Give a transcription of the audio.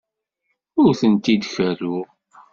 Ur tent-id-kerruɣ.